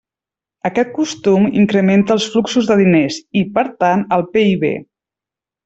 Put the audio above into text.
Aquest consum incrementa els fluxos de diners i, per tant, el PIB.